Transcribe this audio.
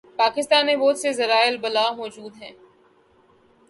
پاکستان میں بہت سے ذرائع ابلاغ موجود ہیں